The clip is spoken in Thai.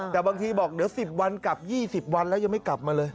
แต่บางทีบอกเดี๋ยว๑๐วันกลับ๒๐วันแล้วยังไม่กลับมาเลย